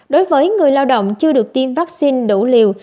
đối với người lao động chưa được tiêm vaccine đủ liều